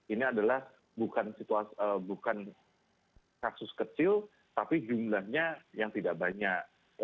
ini adalah bukan kasus kecil tapi jumlahnya yang tidak banyak